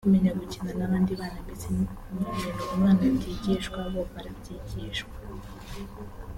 kumenya gukina n’abandi bana mbese ibintu umwana atigishwa bo barabyigishwa